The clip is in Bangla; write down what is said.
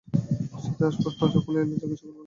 ছাদে আসবার দরজা খুলে দিয়ে এলা জিজ্ঞাসা করলে, কী।